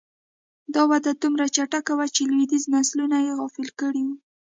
دا وده دومره چټکه وه چې لوېدیځ نسلونه یې غافل کړي وو